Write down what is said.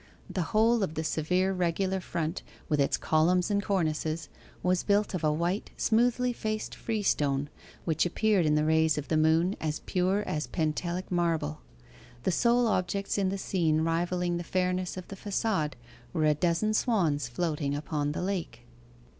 The whole of the severe regular front, with its columns and cornices, was built of a white smoothly faced freestone, which appeared in the rays of the moon as pure as Pentelic marble. The sole objects in the scene rivalling the fairness of the facade were a dozen swans floating upon the lake.